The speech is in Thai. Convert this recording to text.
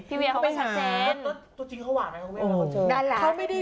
ตัวจริงเขาหวาดไหมคุณแม่